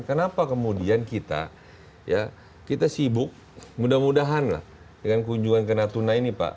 kenapa kemudian kita ya kita sibuk mudah mudahan lah dengan kunjungan ke natuna ini pak